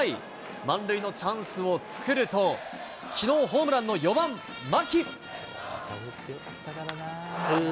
満塁のチャンスを作ると、きのうホームランの４番牧。